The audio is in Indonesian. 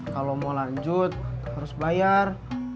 kalau mau lanjut harus bayar